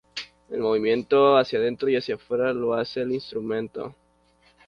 El movimiento hacia dentro y fuera lo realizaba el instrumento.